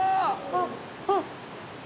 「あっ！あっ！」